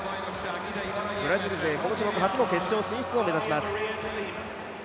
ブラジル勢、この種目初の決勝進出を目指します。